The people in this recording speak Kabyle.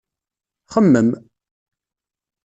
Xemmem!